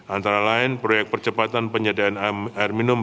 antara lain proyek percepatan penyediaan air minum